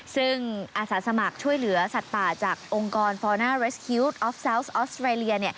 ซึ่งอาสาสมัครช่วยเหลือสัตว์ป่าจากองค์กรฟอร์น่าเรสฮิวตออฟซาวส์ออสเตรเลีย